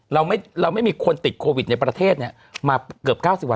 เราไม่เราไม่มีคนติดโควิดในประเทศเนี้ยมาเกือบเก้าสิบวัน